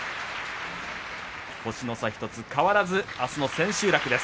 星の差１つ変わらずあすの千秋楽です。